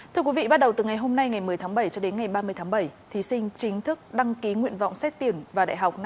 thưa quý vị bắt đầu từ ngày hôm nay ngày một mươi tháng bảy cho đến ngày ba mươi tháng bảy thí sinh chính thức đăng ký nguyện vọng xét tuyển vào đại học năm hai nghìn hai mươi